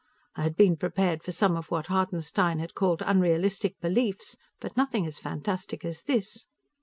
I had been prepared for some of what Hartenstein had called unrealistic beliefs, but nothing as fantastic as this.